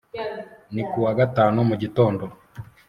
ni ku wa gatanu mu gitondo.